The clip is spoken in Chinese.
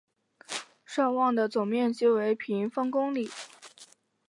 尚旺的总面积为平方公里。